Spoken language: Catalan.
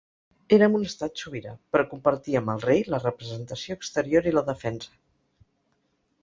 Érem un estat sobirà, però compartíem el rei, la representació exterior i la defensa.